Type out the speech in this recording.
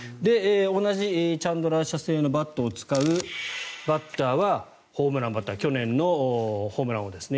同じチャンドラー社製のバットを使うバッターはホームランバッター去年のホームラン王ですね